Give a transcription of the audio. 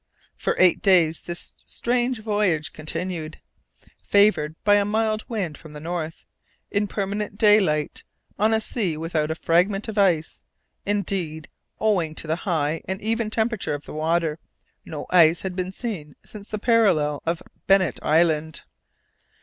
For eight days this strange voyage continued, favoured by a mild wind from the north, in permanent daylight, on a sea without a fragment of ice, indeed, owing to the high and even temperature of the water, no ice had been seen since the parallel of Bennet Island.